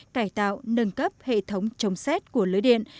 cải tạo nâng cấp hệ thống chống xét của lưới điện